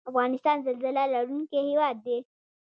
افغانستان زلزله لرونکی هیواد دی